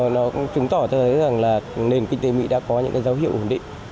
nó cũng chứng tỏ thấy rằng là nền kinh tế mỹ đã có những cái dấu hiệu ổn định